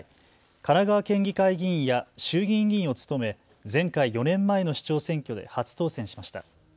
神奈川県議会議員や衆議院議員を務め、前回４年前の市長選挙で初当選しました。